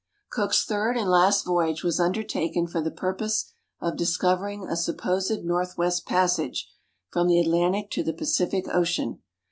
] Cook's third and last voyage was undertaken for the purpose of discovering a supposed northwest passage from the Atlantic to the Pacific Ocean.